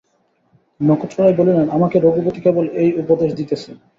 নক্ষত্ররায় বলিলেন, আমাকে রঘুপতি কেবল এই উপদেশ দিতেছে।